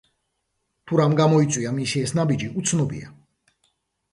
თუ რამ გამოიწვია მისი ეს ნაბიჯი, უცნობია.